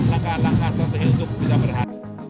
langkah langkah strategi untuk bisa berhasil